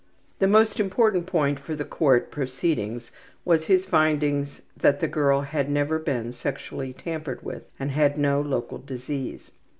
The most important point for the court proceedings was his findings that the girl had never been sexually tampered with and had no local disease.